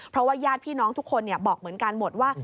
เพราะว่าญาติพี่น้องทุกคนบอกเหมือนกันหมดว่า